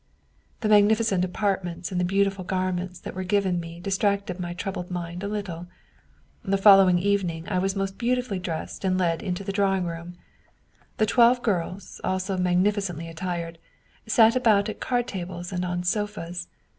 " The magnificent apartments and the beautiful garments that were given me distracted my troubled mind a little. The following evening I was most beautifully dressed and led into the drawing room. The twelve girls, also mag nificently attired, sat about at card tables and on sofas.